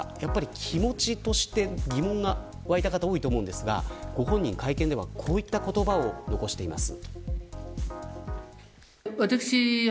気持ちとして疑問が湧いた方多いと思いますがご本人、会見ではこういった言葉を残しています。